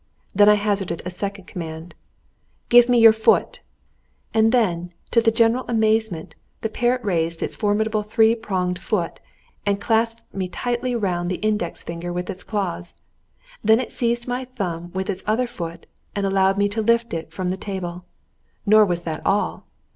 Then I hazarded a second command. "Give me your foot!" And then, to the general amazement, the parrot raised its formidable three pronged foot and clasped me tightly round the index finger with its claws; then it seized my thumb with its other foot, and allowed me to lift it from the table. Nor was that all.